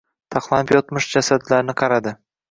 Taxlanib yotmish jasadlarni qaradi.